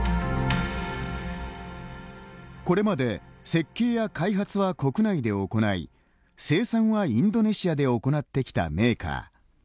これまで設計や開発は国内で行い生産はインドネシアで行ってきたメーカー。